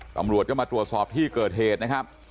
ตำรวจก็มาตรวจสอบที่เกิดเหตุนะครับ